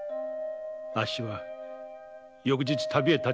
あっしは翌日旅へ立っちまった。